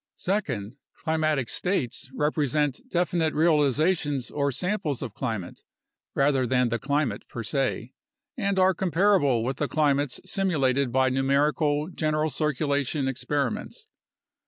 Second, climatic states represent definite realizations or samples of climate (rather than the climate per se) and are comparable with the climates simulated by numerical general circulation experi ments.